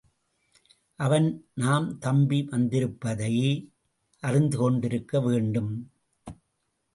அவன் நாம் தப்பி வந்திருப்பதை அறிந்துகொண்டிருக்க வேண்டும்.